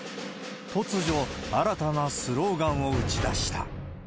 突如、新たなスローガンを打ち出した。